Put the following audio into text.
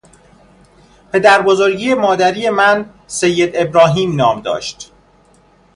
پدربزرگ مادری من سید ابراهیم نام داشت.